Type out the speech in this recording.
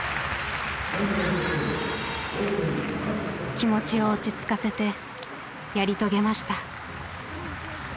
気持ちを落ち着かせてやり遂げました。